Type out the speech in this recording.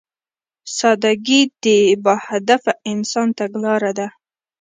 سادهګي د باهدفه انسان تګلاره ده.